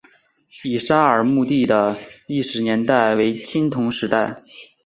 乙沙尔墓地的历史年代为青铜时代。